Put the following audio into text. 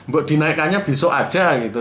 buat dinaikannya besok aja gitu